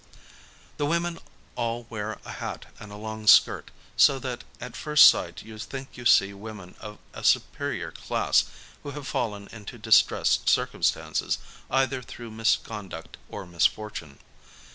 A DAY IN LONDON ss The women all wear a hat and a long skirt, so that at first sight you think you see women of a superior class who have fallen into distressed circumstances either through mis conduct, or misfortune.